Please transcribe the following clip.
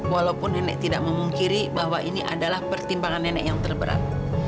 walaupun nenek tidak memungkiri bahwa ini adalah pertimbangan nenek yang terberat